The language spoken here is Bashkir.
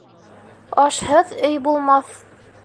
Ашһыҙ өй булмаҫ.